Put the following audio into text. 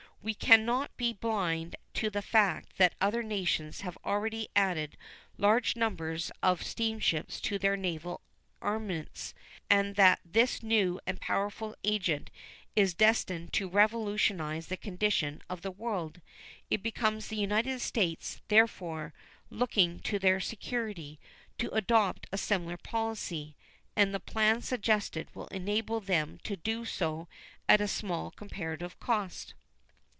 We can not be blind to the fact that other nations have already added large numbers of steamships to their naval armaments and that this new and powerful agent is destined to revolutionize the condition of the world. It becomes the United States, therefore, looking to their security, to adopt a similar policy, and the plan suggested will enable them to do so at a small comparative cost.